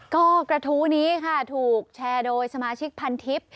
ก็กระทู้นี้ค่ะถูกแชร์โดยสมาชิกพันทิพย์